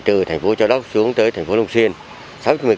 từ thành phố châu đốc xuống tới thành phố long xuyên sáu mươi km